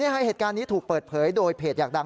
เหตุการณ์นี้ถูกเปิดเผยโดยเพจอยากดัง